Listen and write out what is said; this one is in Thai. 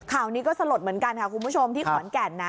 ข่าวนี้ก็สลดเหมือนกันค่ะที่ขอนแก่นนะ